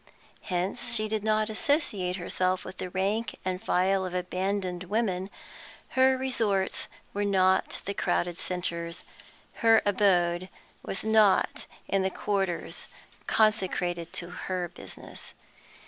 Hence she did not associate herself with the rank and file of abandoned women; her resorts were not the crowded centres; her abode was not in the quarters consecrated to her business.